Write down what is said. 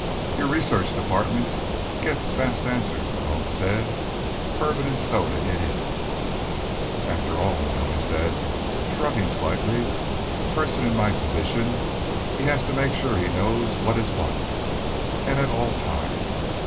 "Your research department gets fast answers," Malone said. "Bourbon and soda it is." "After all," Manelli said, shrugging slightly, "a person in my position, he has to make sure he knows what is what, and all the time.